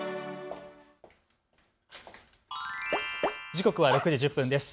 時刻は６時１０分です。